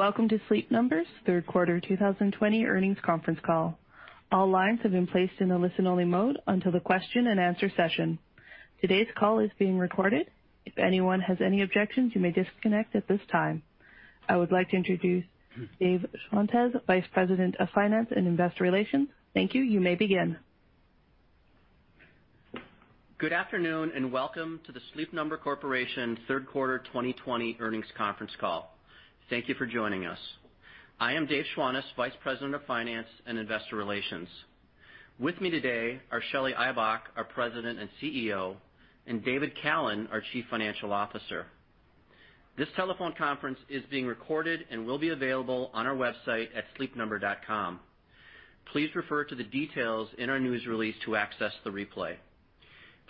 Welcome to Sleep Number's third quarter 2020 earnings conference call. All lines have been placed in a listen-only mode until the question and answer session. Today's call is being recorded. If anyone has any objections, you may disconnect at this time. I would like to introduce Dave Schwantes, Vice President of Finance and Investor Relations. Thank you. You may begin. Good afternoon, welcome to the Sleep Number Corporation third quarter 2020 earnings conference call. Thank you for joining us. I am Dave Schwantes, Vice President of Finance and Investor Relations. With me today are Shelly Ibach, our President and CEO, and David Callen, our Chief Financial Officer. This telephone conference is being recorded and will be available on our website at sleepnumber.com. Please refer to the details in our news release to access the replay.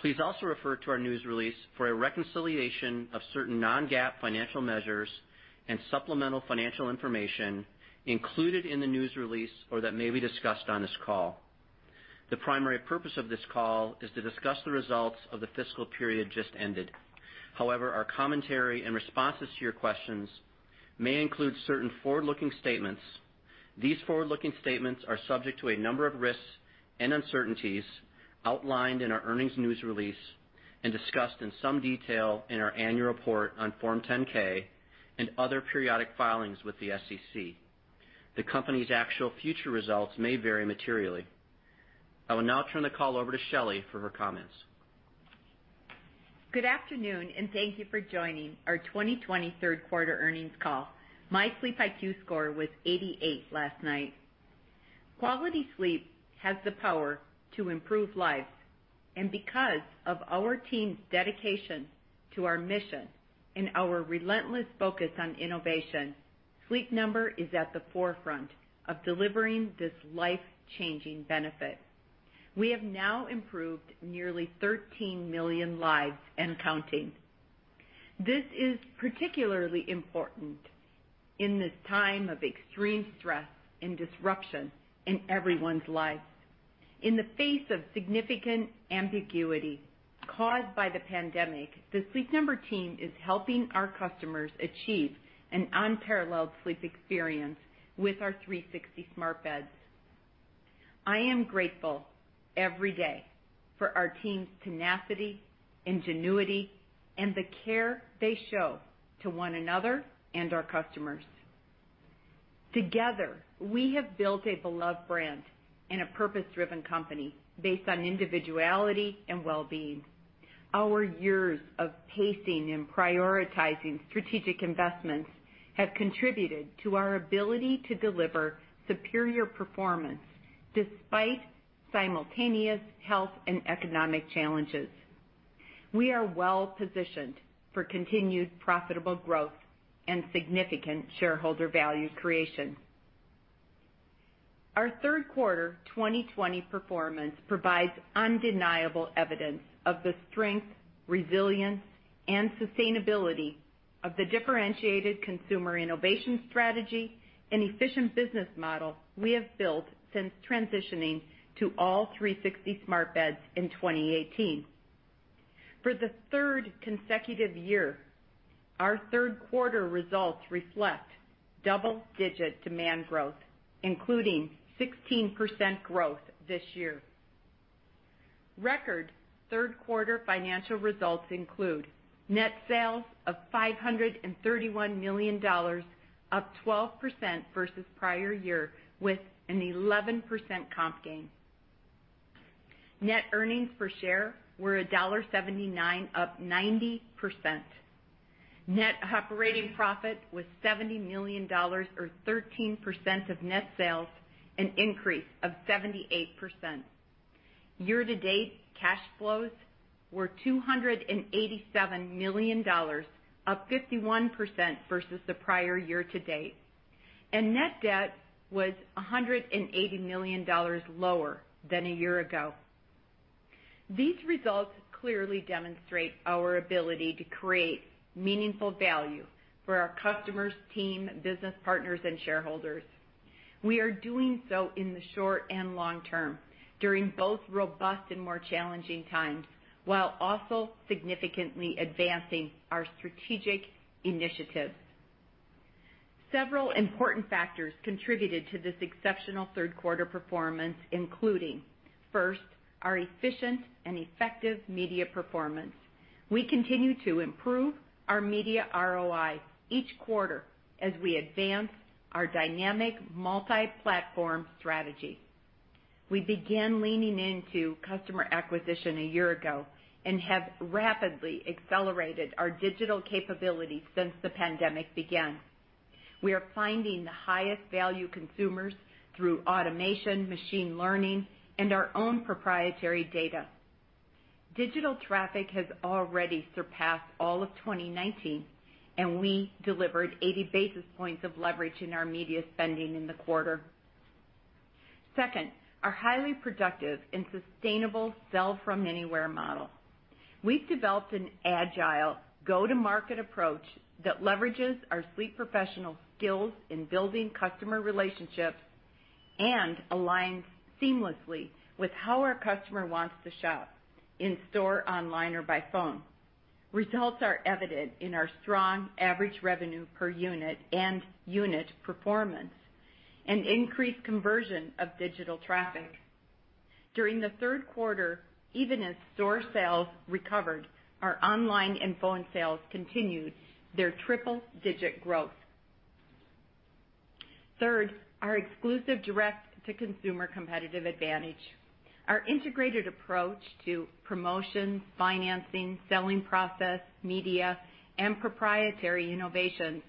Please also refer to our news release for a reconciliation of certain non-GAAP financial measures and supplemental financial information included in the news release or that may be discussed on this call. The primary purpose of this call is to discuss the results of the fiscal period just ended. However, our commentary and responses to your questions may include certain forward-looking statements. These forward-looking statements are subject to a number of risks and uncertainties outlined in our earnings news release and discussed in some detail in our annual report on Form 10-K and other periodic filings with the SEC. The company's actual future results may vary materially. I will now turn the call over to Shelly for her comments. Good afternoon, thank you for joining our 2023 third quarter earnings call. My SleepIQ score was 88 last night. Quality sleep has the power to improve lives, and because of our team's dedication to our mission and our relentless focus on innovation, Sleep Number is at the forefront of delivering this life-changing benefit. We have now improved nearly 13 million lives and counting. This is particularly important in this time of extreme stress and disruption in everyone's lives. In the face of significant ambiguity caused by the pandemic, the Sleep Number team is helping our customers achieve an unparalleled sleep experience with our 360 smart beds. I am grateful every day for our team's tenacity, ingenuity, and the care they show to one another and our customers. Together, we have built a beloved brand and a purpose-driven company based on individuality and well-being. Our years of pacing and prioritizing strategic investments have contributed to our ability to deliver superior performance despite simultaneous health and economic challenges. We are well positioned for continued profitable growth and significant shareholder value creation. Our third quarter 2020 performance provides undeniable evidence of the strength, resilience, and sustainability of the differentiated consumer innovation strategy and efficient business model we have built since transitioning to all 360 smart beds in 2018. For the third consecutive year, our third quarter results reflect double-digit demand growth, including 16% growth this year. Record third-quarter financial results include net sales of $531 million, up 12% versus prior year with an 11% comp gain. Net earnings per share were $1.79, up 90%. Net operating profit was $70 million, or 13% of net sales, an increase of 78%. Year-to-date cash flows were $287 million, up 51% versus the prior year-to-date, and net debt was $180 million lower than a year ago. These results clearly demonstrate our ability to create meaningful value for our customers, team, business partners, and shareholders. We are doing so in the short and long term, during both robust and more challenging times, while also significantly advancing our strategic initiatives. Several important factors contributed to this exceptional third quarter performance, including, first, our efficient and effective media performance. We continue to improve our media ROI each quarter as we advance our dynamic multi-platform strategy. We began leaning into customer acquisition a year ago and have rapidly accelerated our digital capabilities since the pandemic began. We are finding the highest value consumers through automation, machine learning, and our own proprietary data. Digital traffic has already surpassed all of 2019. We delivered 80 basis points of leverage in our media spending in the quarter. Second, our highly productive and sustainable sell-from-anywhere model. We've developed an agile go-to-market approach that leverages our sleep professional skills in building customer relationships and aligns seamlessly with how our customer wants to shop: in-store, online, or by phone. Results are evident in our strong average revenue per unit and unit performance and increased conversion of digital traffic. During the third quarter, even as store sales recovered, our online and phone sales continued their triple-digit growth. Third, our exclusive direct-to-consumer competitive advantage. Our integrated approach to promotions, financing, selling process, media, and proprietary innovations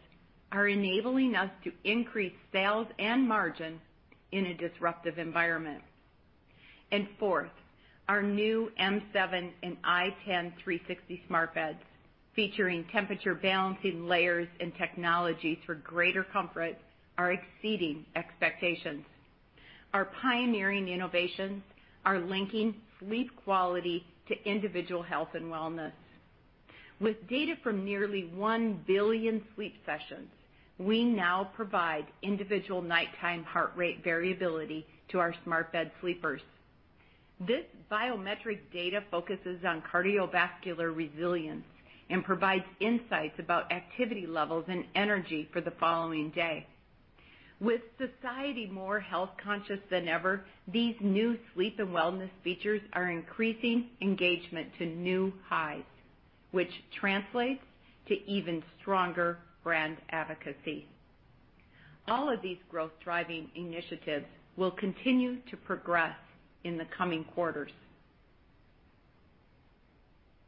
are enabling us to increase sales and margin in a disruptive environment. Fourth, our new m7 and i10 360 smart beds, featuring temperature-balancing layers and technologies for greater comfort, are exceeding expectations. Our pioneering innovations are linking sleep quality to individual health and wellness. With data from nearly one billion sleep sessions, we now provide individual nighttime heart rate variability to our smart bed sleepers. This biometric data focuses on cardiovascular resilience and provides insights about activity levels and energy for the following day. With society more health-conscious than ever, these new sleep and wellness features are increasing engagement to new highs, which translates to even stronger brand advocacy. All of these growth-driving initiatives will continue to progress in the coming quarters.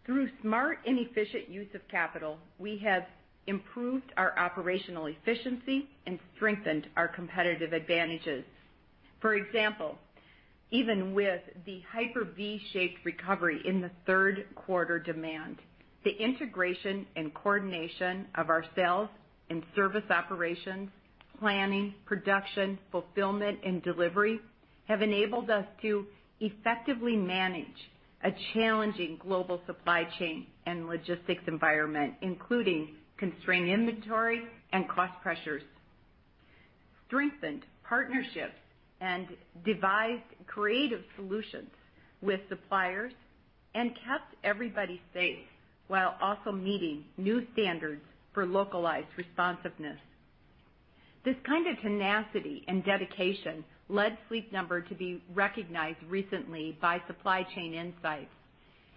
Through smart and efficient use of capital, we have improved our operational efficiency and strengthened our competitive advantages. For example, even with the hyper V-shaped recovery in the third quarter demand, the integration and coordination of our sales and service operations, planning, production, fulfillment, and delivery have enabled us to effectively manage a challenging global supply chain and logistics environment, including constrained inventory and cost pressures, strengthened partnerships, and devised creative solutions with suppliers, and kept everybody safe, while also meeting new standards for localized responsiveness. This kind of tenacity and dedication led Sleep Number to be recognized recently by Supply Chain Insights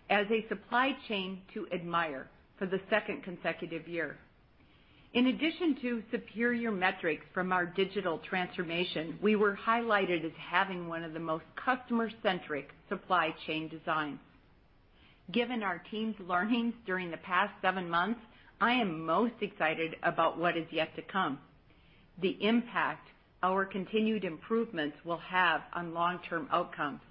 as a supply chain to admire for the second consecutive year. In addition to superior metrics from our digital transformation, we were highlighted as having one of the most customer-centric supply chain designs. Given our team's learnings during the past seven months, I am most excited about what is yet to come, the impact our continued improvements will have on long-term outcomes.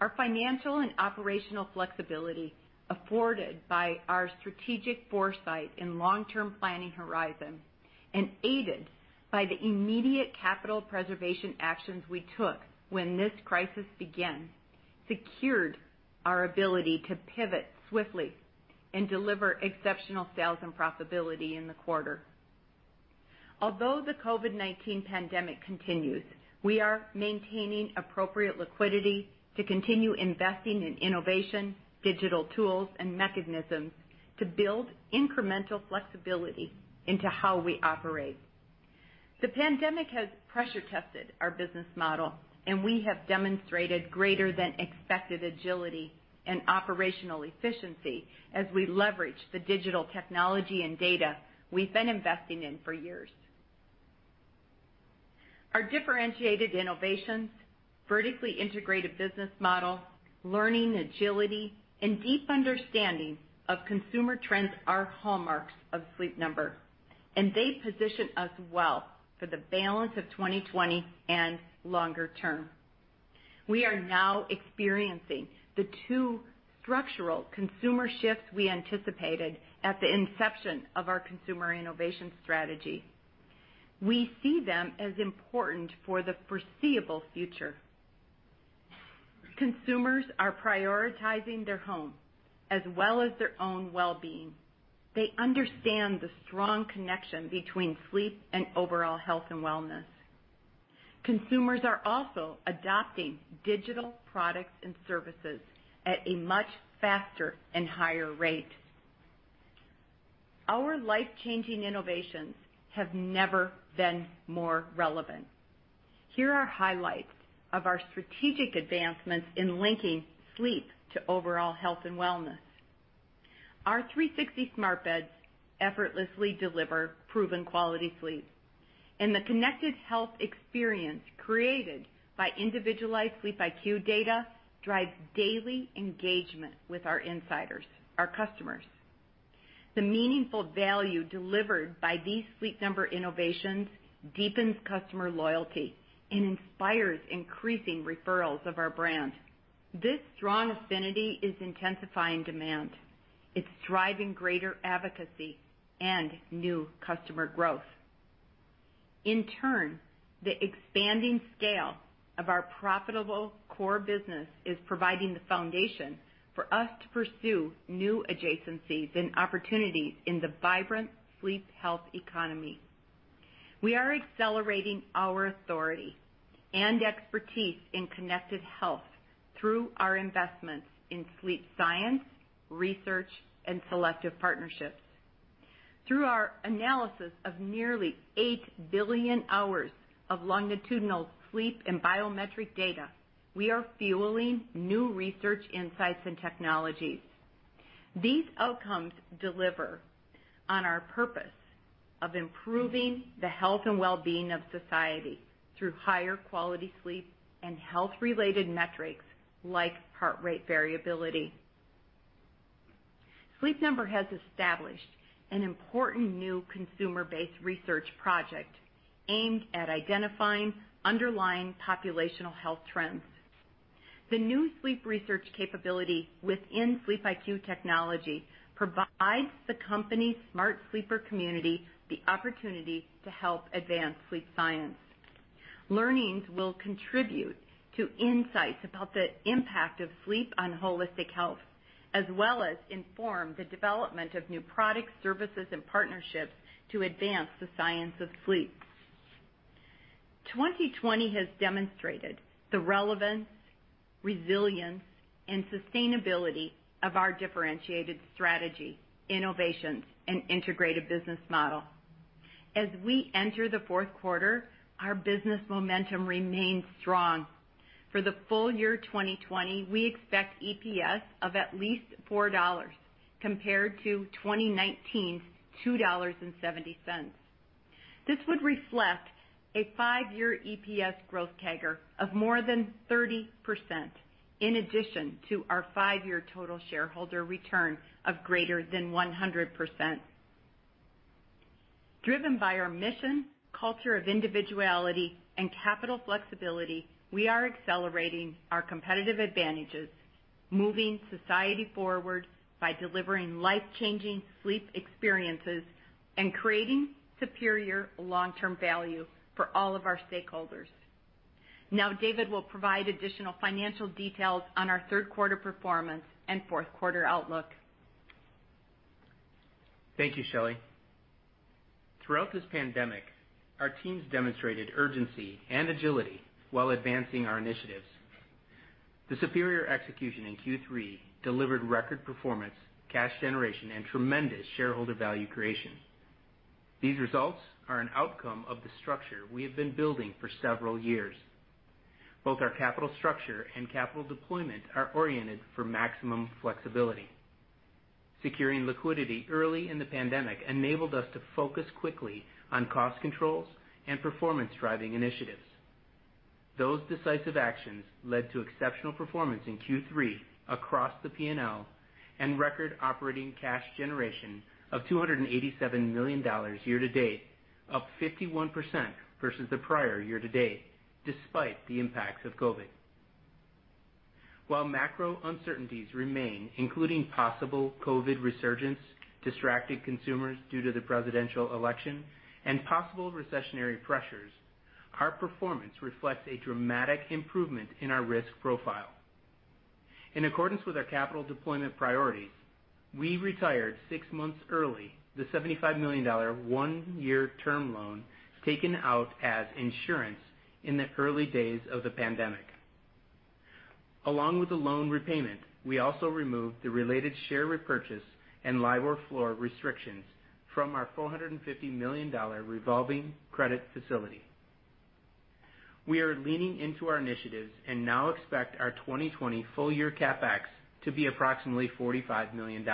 Our financial and operational flexibility, afforded by our strategic foresight and long-term planning horizon, and aided by the immediate capital preservation actions we took when this crisis began, secured our ability to pivot swiftly and deliver exceptional sales and profitability in the quarter. Although the COVID-19 pandemic continues, we are maintaining appropriate liquidity to continue investing in innovation, digital tools, and mechanisms to build incremental flexibility into how we operate. The pandemic has pressure-tested our business model, and we have demonstrated greater than expected agility and operational efficiency as we leverage the digital technology and data we've been investing in for years. Our differentiated innovations, vertically integrated business model, learning agility, and deep understanding of consumer trends are hallmarks of Sleep Number, and they position us well for the balance of 2020 and longer term. We are now experiencing the two structural consumer shifts we anticipated at the inception of our consumer innovation strategy. We see them as important for the foreseeable future. Consumers are prioritizing their home as well as their own well-being. They understand the strong connection between sleep and overall health and wellness. Consumers are also adopting digital products and services at a much faster and higher rate. Our life-changing innovations have never been more relevant. Here are highlights of our strategic advancements in linking sleep to overall health and wellness. Our 360 smart beds effortlessly deliver proven quality sleep, and the connected health experience created by individualized SleepIQ data drives daily engagement with our insiders, our customers. The meaningful value delivered by these Sleep Number innovations deepens customer loyalty and inspires increasing referrals of our brand. This strong affinity is intensifying demand. It's driving greater advocacy and new customer growth. In turn, the expanding scale of our profitable core business is providing the foundation for us to pursue new adjacencies and opportunities in the vibrant sleep health economy. We are accelerating our authority and expertise in connected health through our investments in sleep science, research, and selective partnerships. Through our analysis of nearly eight billion hours of longitudinal sleep and biometric data, we are fueling new research, insights, and technologies. These outcomes deliver on our purpose of improving the health and well-being of society through higher quality sleep and health-related metrics like heart rate variability. Sleep Number has established an important new consumer-based research project aimed at identifying underlying populational health trends. The new sleep research capability within SleepIQ technology provides the company's smart sleeper community the opportunity to help advance sleep science. Learnings will contribute to insights about the impact of sleep on holistic health, as well as inform the development of new products, services, and partnerships to advance the science of sleep. 2020 has demonstrated the relevance, resilience, and sustainability of our differentiated strategy, innovations, and integrated business model. As we enter the fourth quarter, our business momentum remains strong. For the full year 2020, we expect EPS of at least $4, compared to 2019's $2.70. This would reflect a five-year EPS growth CAGR of more than 30%, in addition to our five-year total shareholder return of greater than 100%. Driven by our mission, culture of individuality, and capital flexibility, we are accelerating our competitive advantages, moving society forward by delivering life-changing sleep experiences and creating superior long-term value for all of our stakeholders. Now, David will provide additional financial details on our third quarter performance and fourth quarter outlook. Thank you, Shelly. Throughout this pandemic, our teams demonstrated urgency and agility while advancing our initiatives. The superior execution in Q3 delivered record performance, cash generation, and tremendous shareholder value creation. These results are an outcome of the structure we have been building for several years. Both our capital structure and capital deployment are oriented for maximum flexibility. Securing liquidity early in the pandemic enabled us to focus quickly on cost controls and performance-driving initiatives. Those decisive actions led to exceptional performance in Q3 across the P&L and record operating cash generation of $287 million year-to-date, up 51% versus the prior year-to-date, despite the impacts of COVID. While macro uncertainties remain, including possible COVID resurgence, distracted consumers due to the presidential election, and possible recessionary pressures, our performance reflects a dramatic improvement in our risk profile. In accordance with our capital deployment priorities, we retired six months early, the $75 million, one-year term loan taken out as insurance in the early days of the pandemic. Along with the loan repayment, we also removed the related share repurchase and LIBOR floor restrictions from our $450 million revolving credit facility. We are leaning into our initiatives and now expect our 2020 full-year CapEx to be approximately $45 million.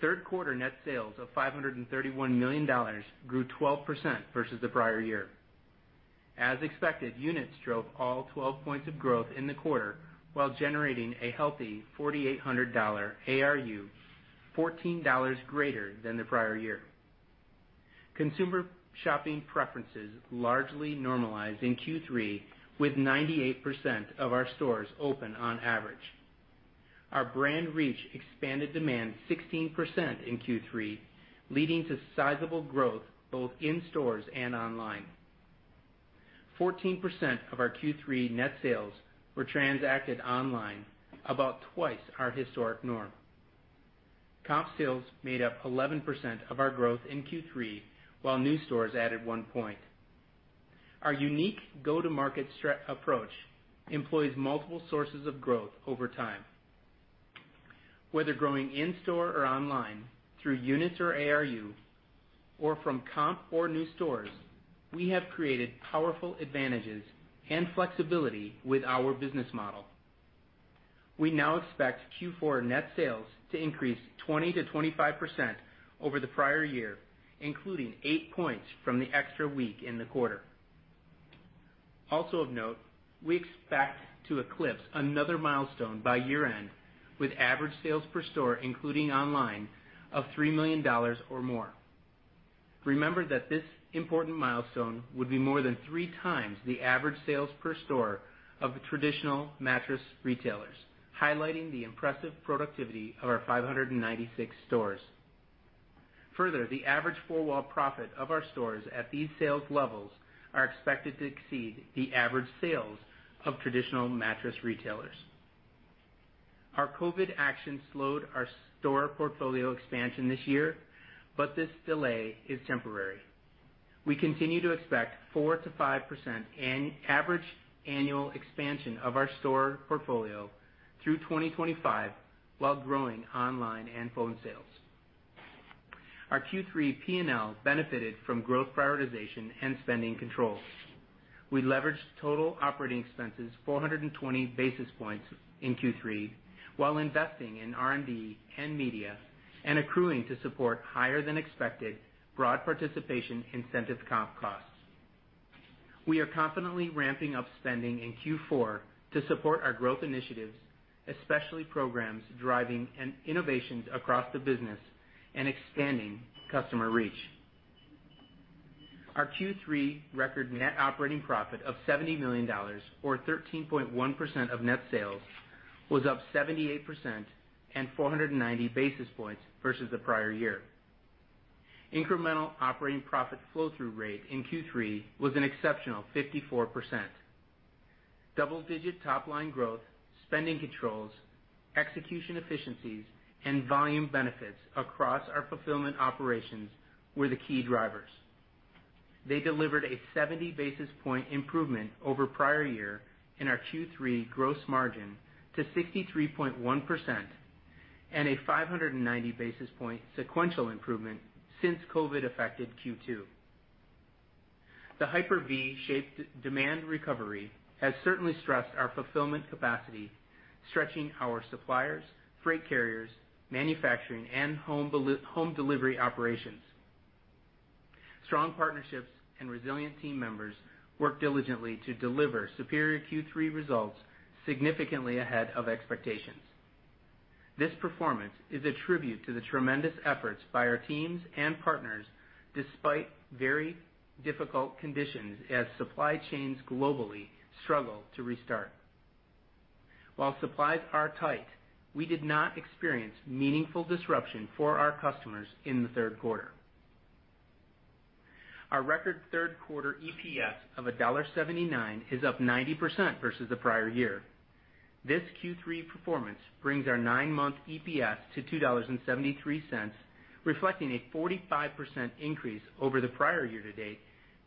Third quarter net sales of $531 million grew 12% versus the prior year. As expected, units drove all 12 points of growth in the quarter, while generating a healthy $4,800 ARU, $14 greater than the prior year. Consumer shopping preferences largely normalized in Q3, with 98% of our stores open on average. Our brand reach expanded demand 16% in Q3, leading to sizable growth both in stores and online. 14% of our Q3 net sales were transacted online, about twice our historic norm. Comp sales made up 11% of our growth in Q3, while new stores added 1 point. Our unique go-to-market approach employs multiple sources of growth over time. Whether growing in-store or online, through units or ARU, or from comp or new stores, we have created powerful advantages and flexibility with our business model. We now expect Q4 net sales to increase 20%-25% over the prior year, including 8 points from the extra week in the quarter. Of note, we expect to eclipse another milestone by year-end, with average sales per store, including online, of $3 million or more. Remember that this important milestone would be more than three times the average sales per store of the traditional mattress retailers, highlighting the impressive productivity of our 596 stores. The average four-wall profit of our stores at these sales levels are expected to exceed the average sales of traditional mattress retailers. Our COVID action slowed our store portfolio expansion this year, this delay is temporary. We continue to expect 4%-5% average annual expansion of our store portfolio through 2025, while growing online and phone sales. Our Q3 P&L benefited from growth prioritization and spending control. We leveraged total operating expenses 420 basis points in Q3, while investing in R&D and media and accruing to support higher than expected broad participation incentive comp costs. We are confidently ramping up spending in Q4 to support our growth initiatives, especially programs driving and innovations across the business and expanding customer reach. Our Q3 record net operating profit of $70 million, or 13.1% of net sales, was up 78% and 490 basis points versus the prior year. Incremental operating profit flow-through rate in Q3 was an exceptional 54%. Double-digit top line growth, spending controls, execution efficiencies, and volume benefits across our fulfillment operations were the key drivers. They delivered a 70 basis point improvement over prior year in our Q3 gross margin to 63.1% and a 590 basis point sequential improvement since COVID affected Q2. The hyper V-shaped demand recovery has certainly stressed our fulfillment capacity, stretching our suppliers, freight carriers, manufacturing, and home delivery operations. Strong partnerships and resilient team members work diligently to deliver superior Q3 results, significantly ahead of expectations. This performance is a tribute to the tremendous efforts by our teams and partners, despite very difficult conditions as supply chains globally struggle to restart. While supplies are tight, we did not experience meaningful disruption for our customers in the third quarter. Our record third quarter EPS of $1.79 is up 90% versus the prior year. This Q3 performance brings our nine-month EPS to $2.73, reflecting a 45% increase over the prior year-to-date,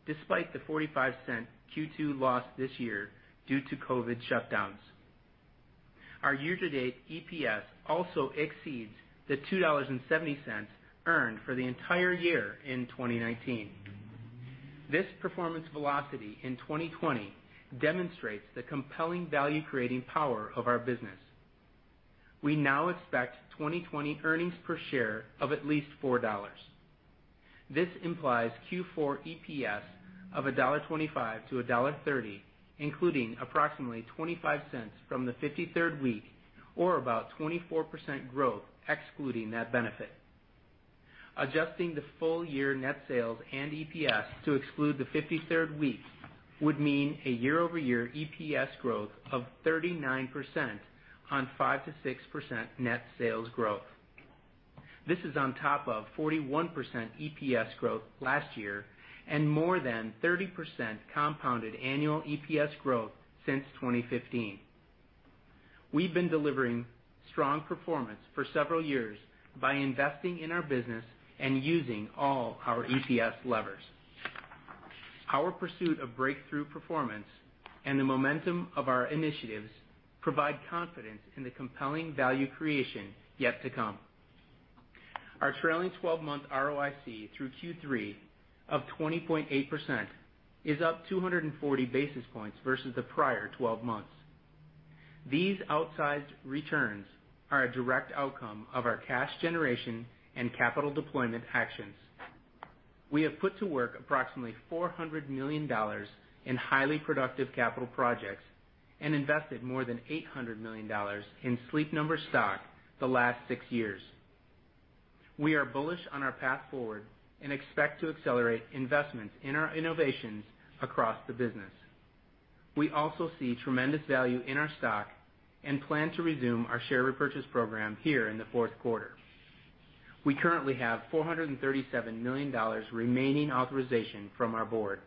despite the $0.45 Q2 loss this year due to COVID shutdowns. Our year-to-date EPS also exceeds the $2.70 earned for the entire year in 2019. This performance velocity in 2020 demonstrates the compelling value-creating power of our business. We now expect 2020 earnings per share of at least $4. This implies Q4 EPS of $1.25-$1.30, including approximately $0.25 from the 53rd week, or about 24% growth, excluding that benefit. Adjusting the full year net sales and EPS to exclude the 53rd week would mean a year-over-year EPS growth of 39% on 5%-6% net sales growth. This is on top of 41% EPS growth last year and more than 30% compounded annual EPS growth since 2015. We've been delivering strong performance for several years by investing in our business and using all our EPS levers. Our pursuit of breakthrough performance and the momentum of our initiatives provide confidence in the compelling value creation yet to come. Our trailing 12-month ROIC through Q3 of 20.8% is up 240 basis points versus the prior 12 months. These outsized returns are a direct outcome of our cash generation and capital deployment actions. We have put to work approximately $400 million in highly productive capital projects and invested more than $800 million in Sleep Number stock the last six years. We are bullish on our path forward and expect to accelerate investments in our innovations across the business. We also see tremendous value in our stock and plan to resume our share repurchase program here in the fourth quarter. We currently have $437 million remaining authorization from our board.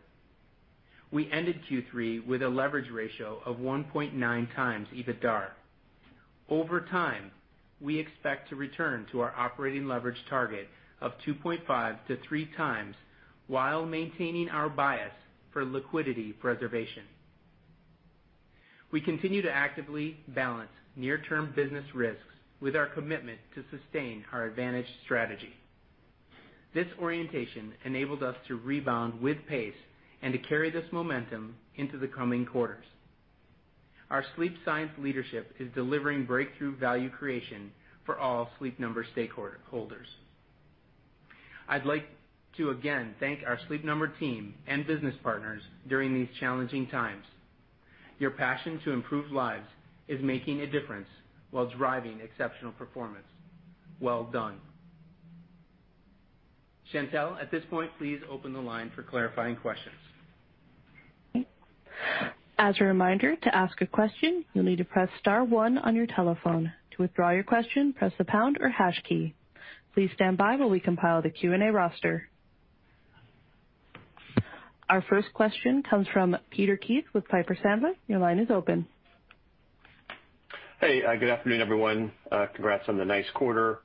We ended Q3 with a leverage ratio of 1.9x EBITDAR. Over time, we expect to return to our operating leverage target of 2.5x to 3.0x, while maintaining our bias for liquidity preservation. We continue to actively balance near-term business risks with our commitment to sustain our advantage strategy. This orientation enabled us to rebound with pace and to carry this momentum into the coming quarters. Our Sleep Science leadership is delivering breakthrough value creation for all Sleep Number stakeholders. I'd like to again thank our Sleep Number team and business partners during these challenging times. Your passion to improve lives is making a difference while driving exceptional performance. Well done. Chantelle, at this point, please open the line for clarifying questions. As a reminder, to ask a question, you'll need to press star one on your telephone. To withdraw your question, press the pound or hash key. Please stand by while we compile the Q&A roster. Our first question comes from Peter Keith with Piper Sandler. Your line is open. Hey, good afternoon, everyone. Congrats on the nice quarter.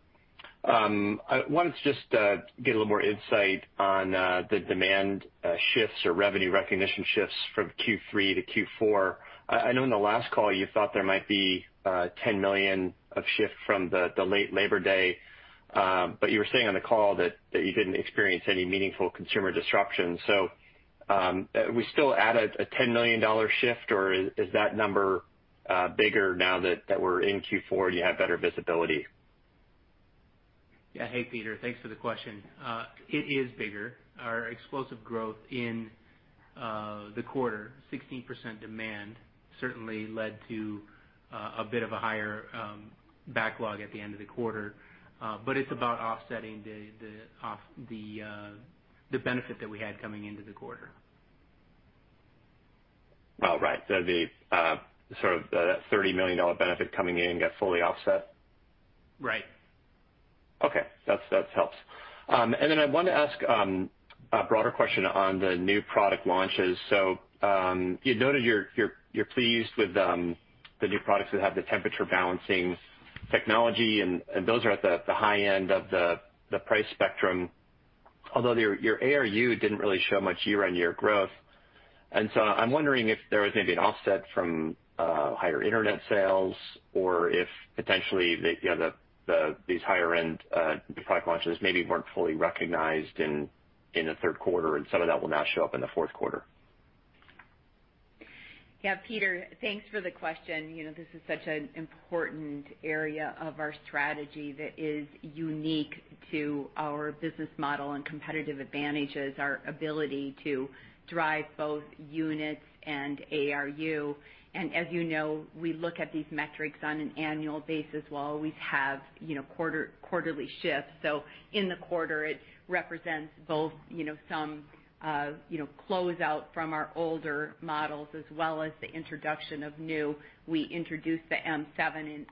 I wanted to just get a little more insight on the demand shifts or revenue recognition shifts from Q3 to Q4. I know in the last call, you thought there might be $10 million of shift from the late Labor Day, but you were saying on the call that you didn't experience any meaningful consumer disruption. Are we still at a $10 million shift, or is that number bigger now that we're in Q4, and you have better visibility? Yeah. Hey, Peter. Thanks for the question. It is bigger. Our explosive growth in the quarter, 16% demand, certainly led to a bit of a higher backlog at the end of the quarter. It's about offsetting the benefit that we had coming into the quarter. Oh, right. The, sort of the $30 million benefit coming in got fully offset? Right. Okay, that helps. I wanted to ask a broader question on the new product launches. You noted you're pleased with the new products that have the temperature balancing technology, and those are at the high end of the price spectrum, although your ARU didn't really show much year-over-year growth. I'm wondering if there was maybe an offset from higher internet sales or if potentially, you know, these higher end product launches maybe weren't fully recognized in the third quarter, and some of that will now show up in the fourth quarter? Yeah, Peter, thanks for the question. You know, this is such an important area of our strategy that is unique to our business model and competitive advantages, our ability to drive both units and ARU. As you know, we look at these metrics on an annual basis. We'll always have, you know, quarterly shifts. In the quarter, it represents both, you know, some, you know, closeout from our older models as well as the introduction of new. We introduced the m7 and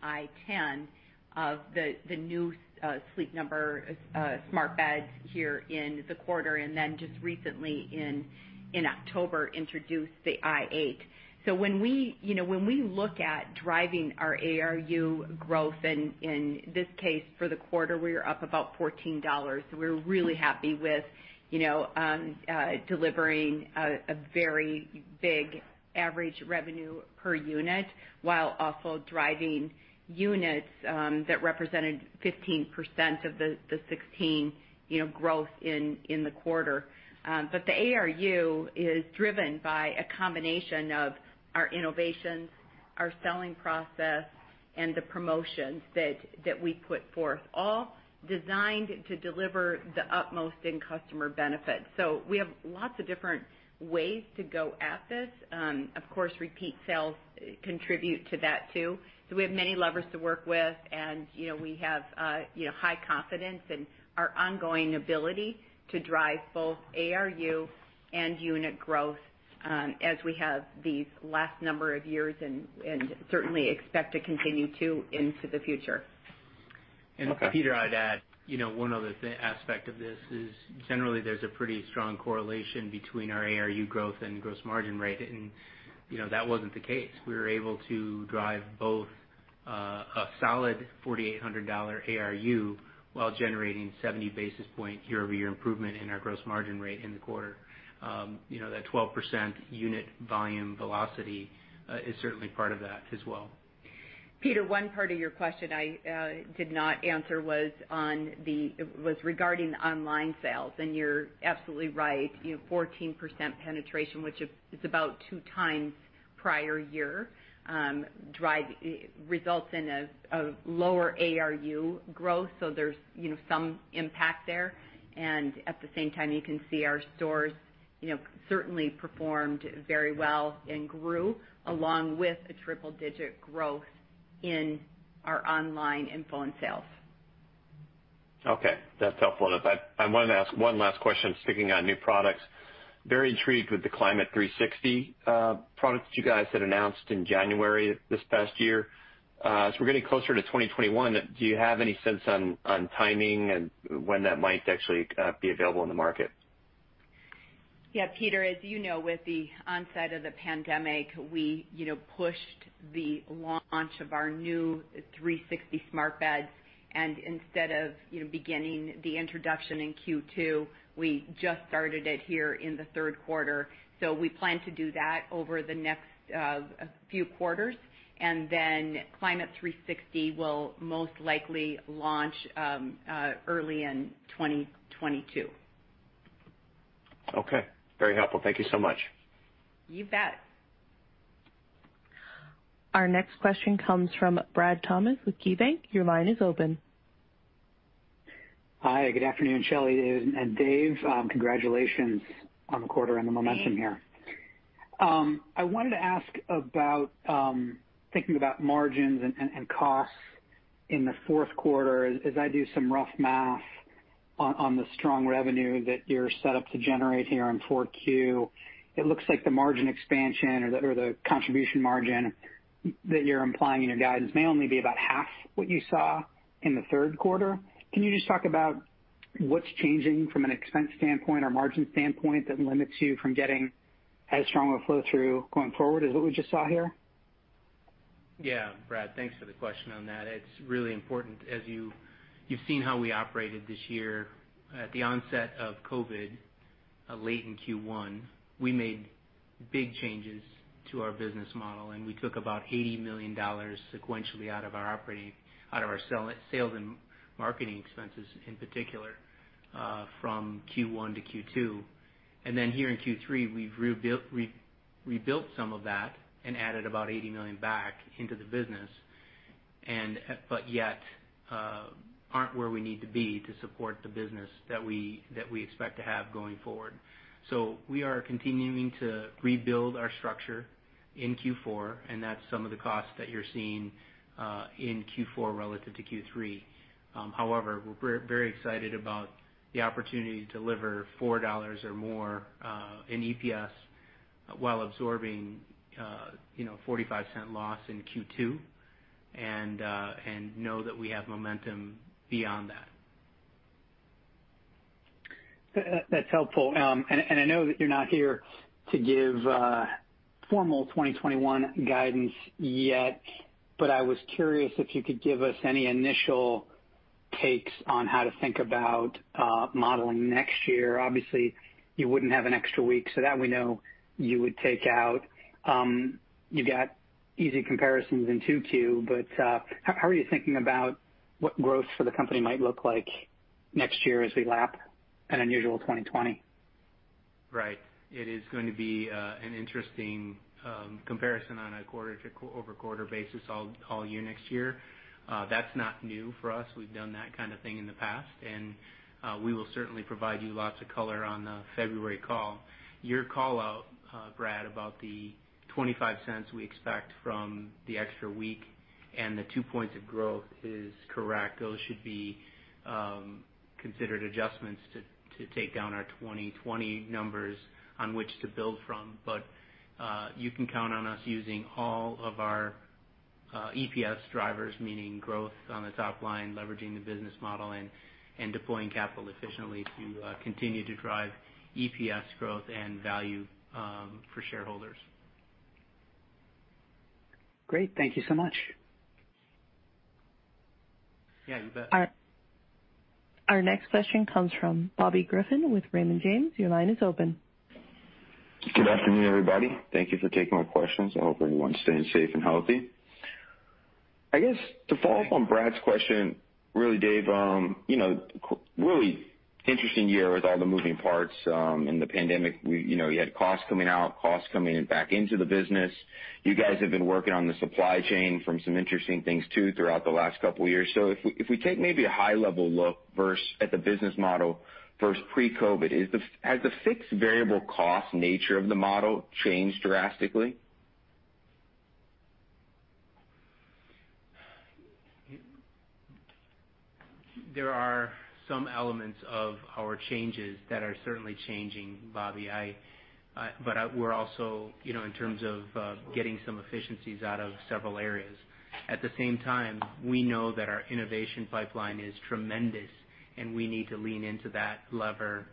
i10, the new Sleep Number smart beds here in the quarter, and then just recently in October, introduced the i8. When we, you know, when we look at driving our ARU growth, in this case, for the quarter, we are up about $14. We're really happy with, you know, delivering a very big average revenue per unit while also driving units that represented 15% of the 16, you know, growth in the quarter. The ARU is driven by a combination of our innovations, our selling process, and the promotions that we put forth, all designed to deliver the utmost in customer benefits. We have lots of different ways to go at this. Of course, repeat sales contribute to that, too. We have many levers to work with, you know, we have high confidence in our ongoing ability to drive both ARU and unit growth as we have these last number of years and certainly expect to continue to into the future. Okay. Peter, I'd add, you know, one other aspect of this is generally, there's a pretty strong correlation between our ARU growth and gross margin rate, and, you know, that wasn't the case. We were able to drive both, a solid $4,800 ARU while generating 70 basis point year-over-year improvement in our gross margin rate in the quarter. You know, that 12% unit volume velocity is certainly part of that as well. Peter, one part of your question I did not answer was regarding the online sales. You're absolutely right. You have 14% penetration, which is about two times prior year, results in a lower ARU growth. There's, you know, some impact there. At the same time, you can see our stores, you know, certainly performed very well and grew along with a triple-digit growth in our online and phone sales. Okay, that's helpful. I wanted to ask one last question, sticking on new products. Very intrigued with the Climate360 products that you guys had announced in January this past year. As we're getting closer to 2021, do you have any sense on timing and when that might actually be available in the market? Yeah, Peter, as you know, with the onset of the pandemic, we, you know, pushed the launch of our new 360 smart beds. Instead of, you know, beginning the introduction in Q2, we just started it here in the third quarter. We plan to do that over the next few quarters. And then, Climate360 will most likely launch early in 2022. Very helpful. Thank you so much. You bet. Our next question comes from Brad Thomas with KeyBanc. Your line is open. Hi, good afternoon, Shelly and Dave. Congratulations on the quarter and the momentum here. Thanks. I wanted to ask about thinking about margins and costs in the fourth quarter. As I do some rough math on the strong revenue that you're set up to generate here in 4Q. It looks like the margin expansion or the contribution margin that you're implying in your guidance may only be about half what you saw in the third quarter. Can you just talk about what's changing from an expense standpoint or margin standpoint that limits you from getting as strong a flow-through going forward as what we just saw here? Yeah, Brad, thanks for the question on that. It's really important. As you've seen how we operated this year. At the onset of COVID late in Q1, we made big changes to our business model. We took about $80 million sequentially out of our sales and marketing expenses, in particular, from Q1 to Q2. Here in Q3, we've rebuilt some of that and added about $80 million back into the business, but yet aren't where we need to be to support the business that we expect to have going forward. We are continuing to rebuild our structure in Q4. That's some of the costs that you're seeing in Q4 relative to Q3. However, we're very excited about the opportunity to deliver $4 or more, in EPS while absorbing, you know, $0.45 loss in Q2, and know that we have momentum beyond that. That's helpful. I know that you're not here to give formal 2021 guidance yet, but I was curious if you could give us any initial takes on how to think about modeling next year. Obviously, you wouldn't have an extra week, so that we know you would take out. You got easy comparisons in 2Q, but how are you thinking about what growth for the company might look like next year as we lap an unusual 2020? Right. It is going to be an interesting comparison on a quarter-over-quarter basis all year next year. That's not new for us. We've done that kind of thing in the past, we will certainly provide you lots of color on the February call. Your call-out, Brad, about the $0.25 we expect from the extra week and the 2 points of growth is correct. Those should be considered adjustments to take down our 2020 numbers on which to build from. You can count on us using all of our EPS drivers, meaning growth on the top line, leveraging the business model, and deploying capital efficiently to continue to drive EPS growth and value for shareholders. Great. Thank you so much. Yeah, you bet. Our next question comes from Bobby Griffin with Raymond James. Your line is open. Good afternoon, everybody. Thank you for taking my questions. I hope everyone's staying safe and healthy. I guess, to follow up on Brad's question, really, Dave, you know, really interesting year with all the moving parts, and the pandemic. You know, you had costs coming out, costs coming in back into the business. You guys have been working on the supply chain from some interesting things, too, throughout the last couple of years. If we take maybe a high-level look versus at the business model versus pre-COVID, has the fixed variable cost nature of the model changed drastically? There are some elements of our changes that are certainly changing, Bobby. I, we're also, you know, in terms of, getting some efficiencies out of several areas. At the same time, we know that our innovation pipeline is tremendous, and we need to lean into that lever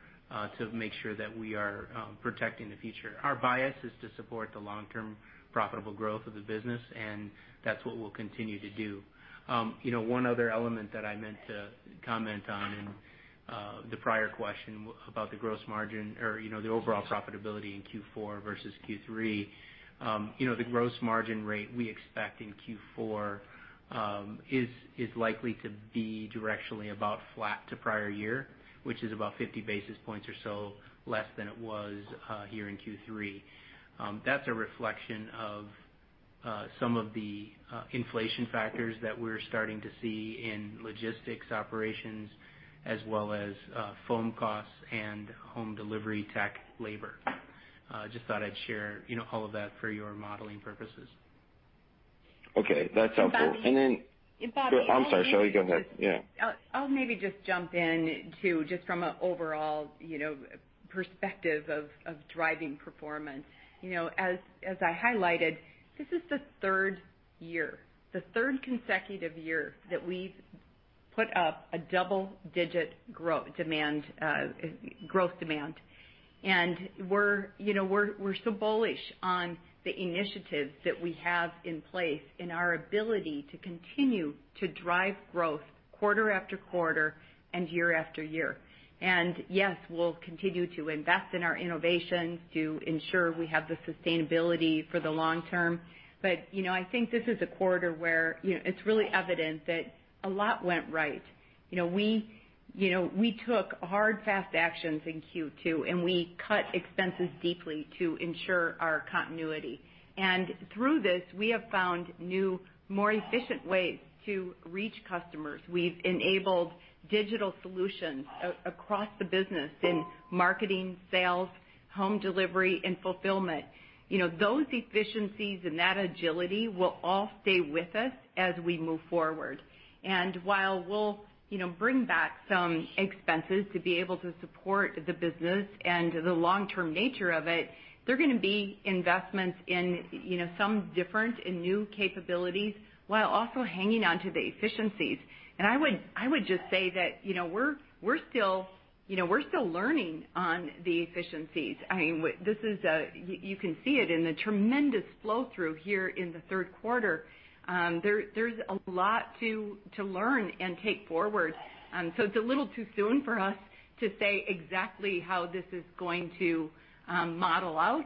to make sure that we are protecting the future. Our bias is to support the long-term profitable growth of the business, and that's what we'll continue to do. You know, one other element that I meant to comment on in the prior question about the gross margin or, you know, the overall profitability in Q4 versus Q3. You know, the gross margin rate we expect in Q4, is likely to be directionally about flat to prior year, which is about 50 basis points or so less than it was, here in Q3. That's a reflection of some of the inflation factors that we're starting to see in logistics operations, as well as foam costs and home delivery tech labor. Just thought I'd share, you know, all of that for your modeling purposes. Okay, that's helpful. Bobby. And then. Bobby. I'm sorry, Shelly, go ahead. Yeah. I'll maybe just jump in, too, just from an overall, you know, perspective of driving performance. You know, as I highlighted, this is the third year, the third consecutive year, that we've put up a double-digit growth demand, growth demand. We're, you know, we're so bullish on the initiatives that we have in place and our ability to continue to drive growth quarter after quarter and year after year. Yes, we'll continue to invest in our innovations to ensure we have the sustainability for the long term. You know, I think this is a quarter where, you know, it's really evident that a lot went right. You know, we took hard, fast actions in Q2, and we cut expenses deeply to ensure our continuity. Through this, we have found new, more efficient ways to reach customers. We've enabled digital solutions across the business in marketing, sales, home delivery, and fulfillment. You know, those efficiencies and that agility will all stay with us as we move forward. While we'll, you know, bring back some expenses to be able to support the business and the long-term nature of it, they're going to be investments in, you know, some different and new capabilities while also hanging on to the efficiencies. I would just say that, you know, we're still, you know, we're still learning on the efficiencies. I mean, this is, you can see it in the tremendous flow-through here in the third quarter. There's a lot to learn and take forward. So it's a little too soon for us to say exactly how this is going to model out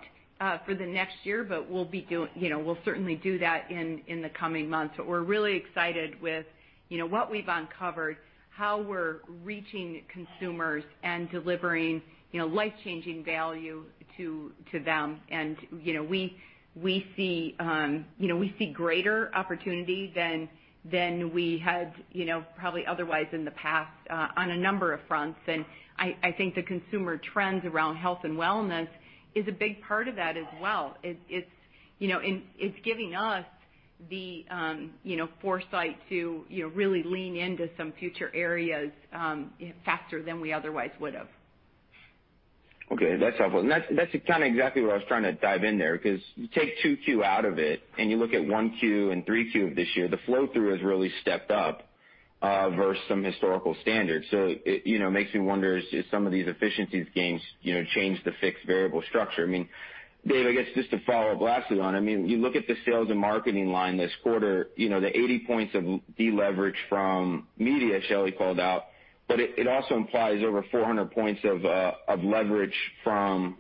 for the next year, but we'll be you know, we'll certainly do that in the coming months. We're really excited with, you know, what we've uncovered, how we're reaching consumers and delivering, you know, life-changing value to them. You know, we see, you know, we see greater opportunity than we had, you know, probably otherwise in the past, on a number of fronts. I think the consumer trends around health and wellness is a big part of that as well. It, it's, you know, and it's giving us the, you know, foresight to, you know, really lean into some future areas, faster than we otherwise would have. Okay, that's helpful. That's kind of exactly what I was trying to dive in there, because you take 2Q out of it, and you look at 1Q and 3Q of this year, the flow-through has really stepped up versus some historical standards. It, you know, makes me wonder if some of these efficiencies gains, you know, change the fixed variable structure. I mean, Dave, I guess just to follow up lastly on, I mean, you look at the sales and marketing line this quarter, you know, the 80 points of deleverage from media Shelly called out, but it also implies over 400 points of leverage from,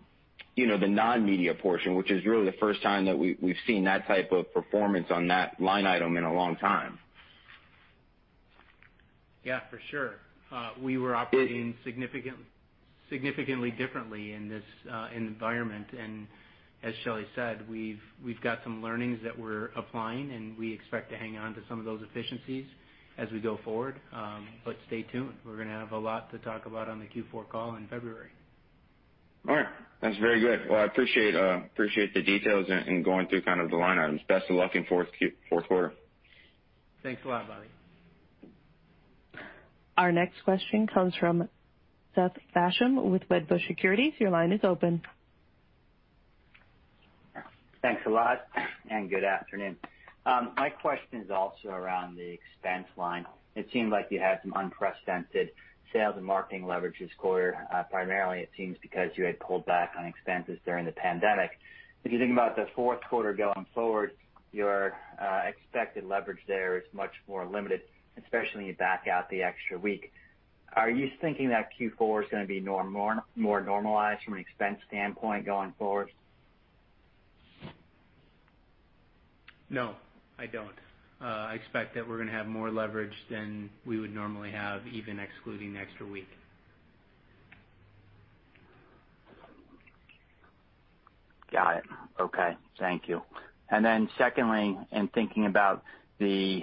you know, the non-media portion, which is really the first time that we've seen that type of performance on that line item in a long time. Yeah, for sure. We were operating significantly differently in this environment. As Shelly said, we've got some learnings that we're applying, and we expect to hang on to some of those efficiencies as we go forward. Stay tuned. We're going to have a lot to talk about on the Q4 call in February. All right. That's very good. Well, I appreciate the details and going through kind of the line items. Best of luck in fourth quarter. Thanks a lot, Bobby. Our next question comes from Seth Basham with Wedbush Securities. Your line is open. Thanks a lot, good afternoon. My question is also around the expense line. It seemed like you had some unprecedented sales and marketing leverage this quarter, primarily, it seems, because you had pulled back on expenses during the pandemic. If you think about the fourth quarter going forward, your expected leverage there is much more limited, especially when you back out the extra week. Are you thinking that Q4 is going to be more normalized from an expense standpoint going forward? No, I don't. I expect that we're going to have more leverage than we would normally have, even excluding the extra week. Got it. Okay. Thank you. Then secondly, in thinking about the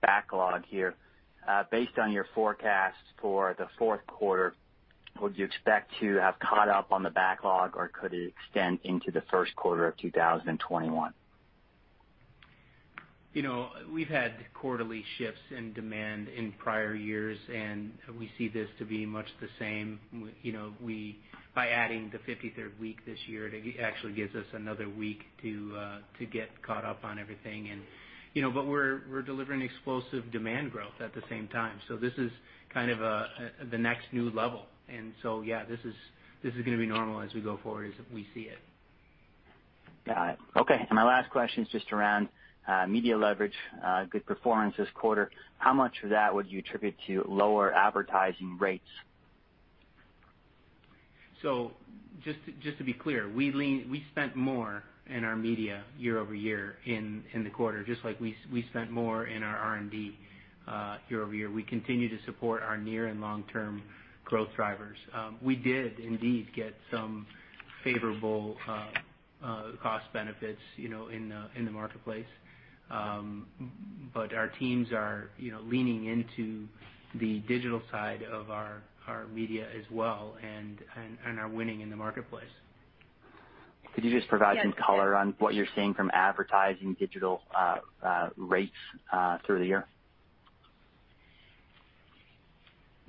backlog here, based on your forecast for the fourth quarter, would you expect to have caught up on the backlog, or could it extend into the first quarter of 2021? You know, we've had quarterly shifts in demand in prior years, and we see this to be much the same. You know, we by adding the 53rd week this year, it actually gives us another week to get caught up on everything. You know, but we're delivering explosive demand growth at the same time. This is kind of the next new level. Yeah, this is going to be normal as we go forward, as we see it. Got it. Okay. My last question is just around, media leverage, good performance this quarter. How much of that would you attribute to lower advertising rates? Just to be clear, we spent more in our media year-over-year in the quarter, just like we spent more in our R&D year-over-year. We continue to support our near and long-term growth drivers. We did indeed get some favorable cost benefits, you know, in the marketplace. Our teams are, you know, leaning into the digital side of our media as well and are winning in the marketplace. Could you just provide some color on what you're seeing from advertising digital rates through the year?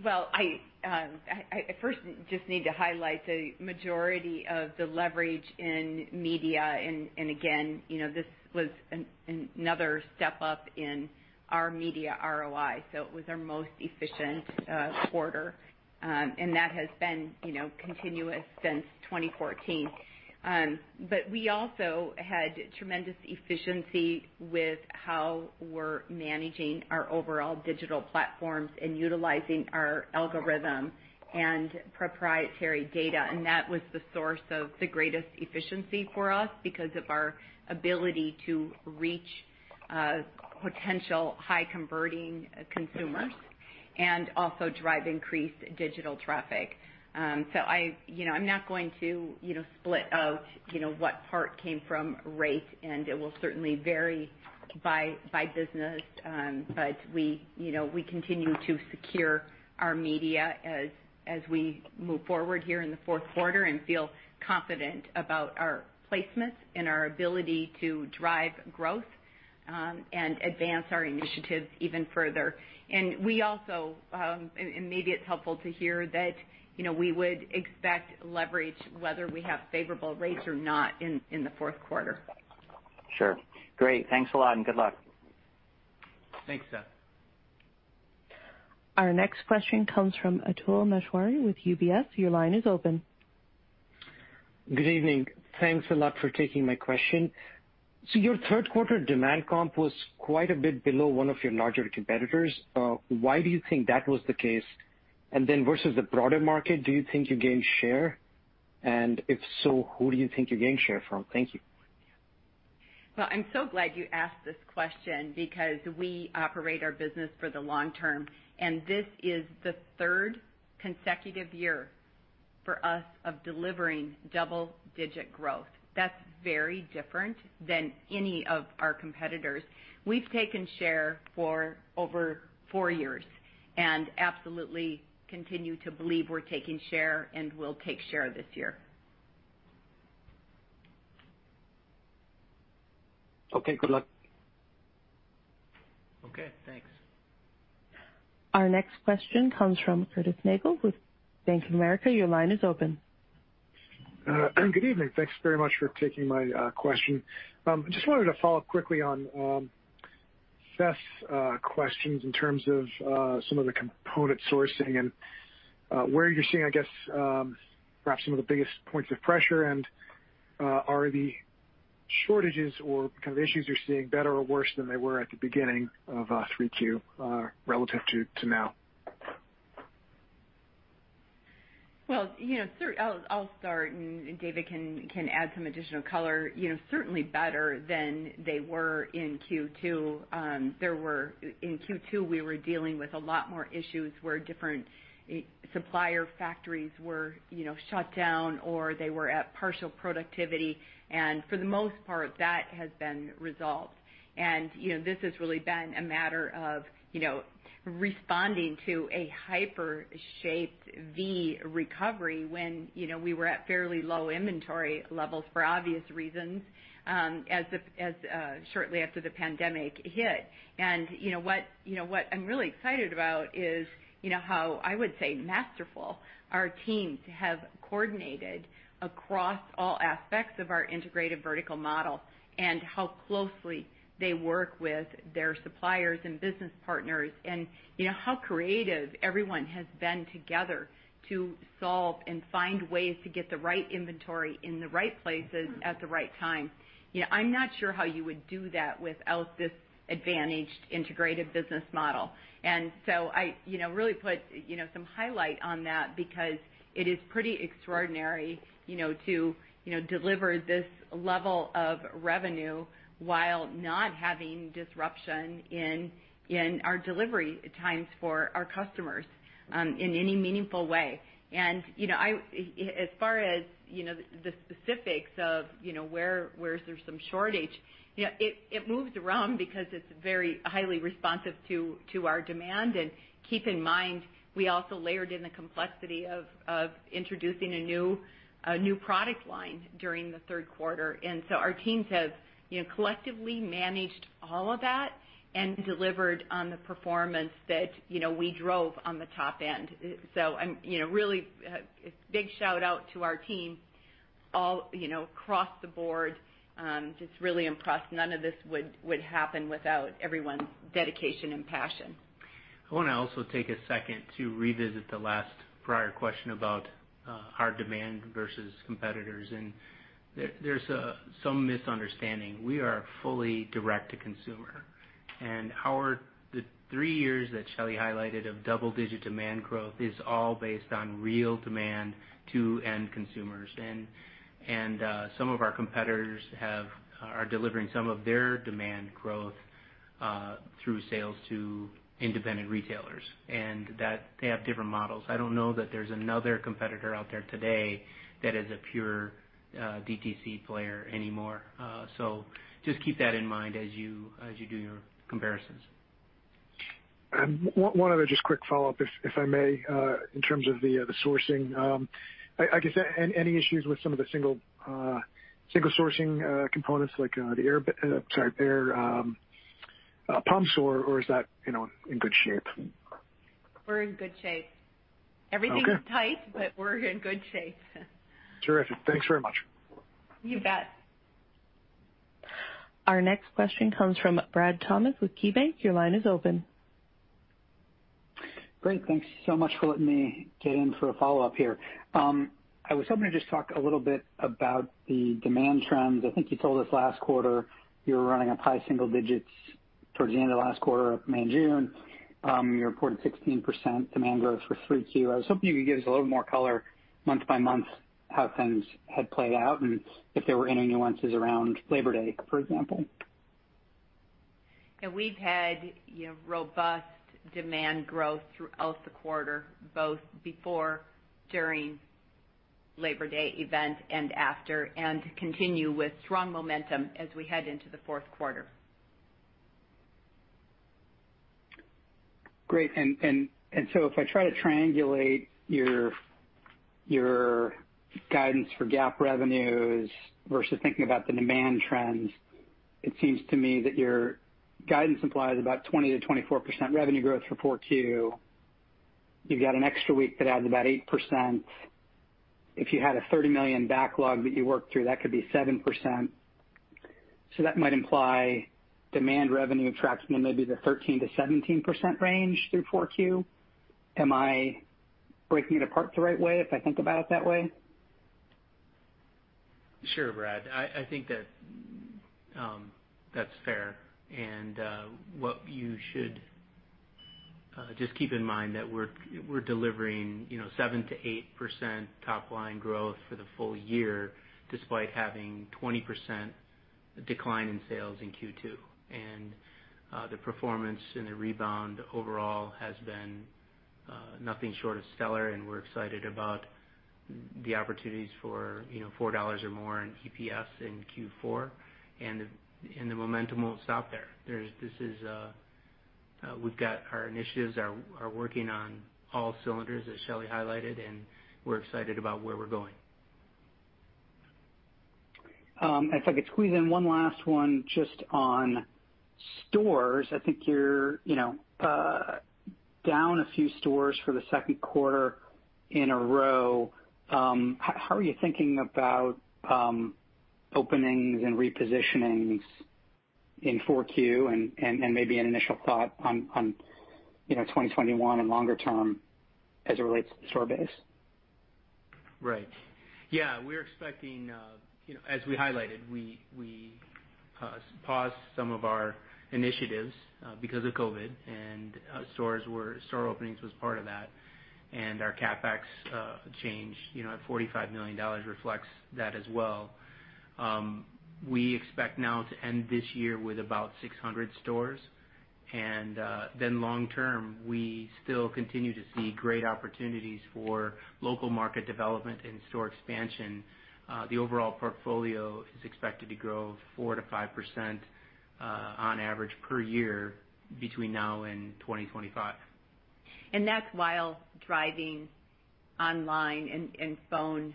Well, I first just need to highlight the majority of the leverage in media, and again, you know, this was another step up in our media ROI, so it was our most efficient quarter. That has been, you know, continuous since 2014. We also had tremendous efficiency with how we're managing our overall digital platforms and utilizing our algorithm and proprietary data, and that was the source of the greatest efficiency for us because of our ability to reach potential high-converting consumers. Also drive increased digital traffic. I, you know, I'm not going to, you know, split out, you know, what part came from rate, and it will certainly vary by business. We, you know, we continue to secure our media as we move forward here in the fourth quarter and feel confident about our placements and our ability to drive growth, and advance our initiatives even further. We also, and maybe it's helpful to hear that, you know, we would expect leverage, whether we have favorable rates or not, in the fourth quarter. Sure. Great. Thanks a lot, and good luck. Thanks, Seth. Our next question comes from Atul Maheshwari with UBS. Your line is open. Good evening. Thanks a lot for taking my question. Your third quarter demand comp was quite a bit below one of your larger competitors. Why do you think that was the case? Versus the broader market, do you think you gained share, and if so, who do you think you gained share from? Thank you. Well, I'm so glad you asked this question because we operate our business for the long term, and this is the third consecutive year for us of delivering double-digit growth. That's very different than any of our competitors. We've taken share for over four years and absolutely continue to believe we're taking share and will take share this year. Okay, good luck. Okay, thanks. Our next question comes from Curtis Nagle with Bank of America. Your line is open. Good evening. Thanks very much for taking my question. I just wanted to follow up quickly on Seth's questions in terms of some of the component sourcing and where you're seeing, I guess, perhaps some of the biggest points of pressure, and are the shortages or kind of issues you're seeing better or worse than they were at the beginning of 3Q relative to now? Well, you know, I'll start, and David can add some additional color. You know, certainly better than they were in Q2. In Q2, we were dealing with a lot more issues where different supplier factories were, you know, shut down or they were at partial productivity, and for the most part, that has been resolved. You know, this has really been a matter of, you know, responding to a hyper V-shaped V recovery when, you know, we were at fairly low inventory levels for obvious reasons, as shortly after the pandemic hit. You know, what, you know, what I'm really excited about is, you know, how I would say masterful our teams have coordinated across all aspects of our integrated vertical model, and how closely they work with their suppliers and business partners, and, you know, how creative everyone has been together to solve and find ways to get the right inventory in the right places at the right time. You know, I'm not sure how you would do that without this advantaged, integrated business model. I, you know, really put, you know, some highlight on that because it is pretty extraordinary, you know, to, you know, deliver this level of revenue while not having disruption in our delivery times for our customers, in any meaningful way. And, you know, I, as far as, you know, the specifics of, you know, where is there some shortage, you know, it moves around because it's very highly responsive to our demand. Keep in mind, we also layered in the complexity of introducing a new product line during the third quarter. Our teams have, you know, collectively managed all of that and delivered on the performance that, you know, we drove on the top end. I'm, you know, really a big shout-out to our team all, you know, across the board. Just really impressed. None of this would happen without everyone's dedication and passion. I wanna also take a second to revisit the last prior question about our demand versus competitors, and there's some misunderstanding. We are fully direct to consumer, the three years that Shelly highlighted of double-digit demand growth is all based on real demand to end consumers. Some of our competitors are delivering some of their demand growth through sales to independent retailers, and that they have different models. I don't know that there's another competitor out there today that is a pure DTC player anymore. Just keep that in mind as you, as you do your comparisons. One other just quick follow-up, if I may, in terms of the sourcing. I guess, any issues with some of the single sourcing, components like, the air pumps, or, is that, you know, in good shape? We're in good shape. Okay. Everything's tight, but we're in good shape. Terrific. Thanks very much. You bet. Our next question comes from Brad Thomas with KeyBanc. Your line is open. Great. Thanks so much for letting me get in for a follow-up here. I was hoping to just talk a little bit about the demand trends. I think you told us last quarter you were running up high single digits towards the end of last quarter of May and June. You reported 16% demand growth for 3Q. I was hoping you could give us a little more color month by month, how things had played out and if there were any nuances around Labor Day, for example. We've had, you know, robust demand growth throughout the quarter, both before, during Labor Day event, and after, and continue with strong momentum as we head into the fourth quarter. Great. If I try to triangulate your guidance for GAAP revenues versus thinking about the demand trends, it seems to me that your guidance implies about 20%-24% revenue growth for 4Q. You've got an extra week that adds about 8%. If you had a $30 million backlog that you worked through, that could be 7%. That might imply demand revenue tracks maybe the 13%-17% range through 4Q. Am I breaking it apart the right way if I think about it that way? Sure, Brad, I think that that's fair. What you should just keep in mind that we're delivering, you know, 7%-8% top line growth for the full year, despite having 20% decline in sales in Q2. The performance and the rebound overall has been nothing short of stellar, and we're excited about the opportunities for, you know, $4 or more in EPS in Q4. The momentum won't stop there. This is we've got our initiatives are working on all cylinders, as Shelly highlighted, and we're excited about where we're going. If I could squeeze in one last one just on stores. I think you're, you know, down a few stores for the second quarter in a row. How are you thinking about openings and repositionings in 4Q and maybe an initial thought on, you know, 2021 and longer term as it relates to store base? Right. Yeah, we're expecting, you know, as we highlighted, we paused some of our initiatives because of COVID, and store openings was part of that, and our CapEx change, you know, at $45 million reflects that as well. We expect now to end this year with about 600 stores, then long term, we still continue to see great opportunities for local market development and store expansion. The overall portfolio is expected to grow 4%-5% on average, per year between now and 2025. That's while driving online and phone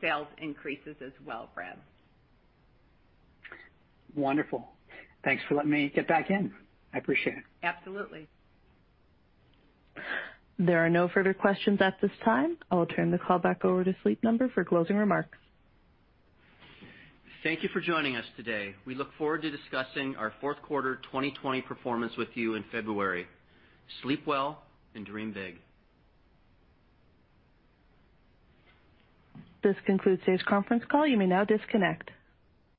sales increases as well, Brad. Wonderful. Thanks for letting me get back in. I appreciate it. Absolutely. There are no further questions at this time. I'll turn the call back over to Sleep Number for closing remarks. Thank you for joining us today. We look forward to discussing our fourth quarter 2020 performance with you in February. Sleep well and dream big. This concludes today's conference call. You may now disconnect.